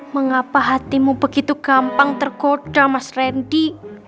mengapa hatimu begitu gampang terkoda mas randy